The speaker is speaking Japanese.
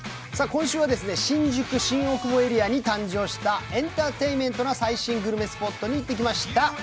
今週は新宿・新大久保エリアに誕生したエンターテインメントな最新グルメスポットに行ってきました。